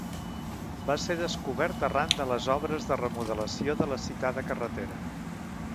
Va ser descobert arran de les obres de remodelació de la citada carretera.